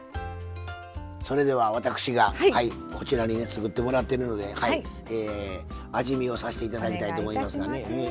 それでは私がこちらに作ってもらってるので味見をさして頂きたいと思います。